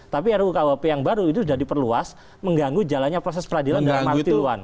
tapi rukuhp yang baru itu sudah diperluas mengganggu jalannya proses peradilan dalam arti luan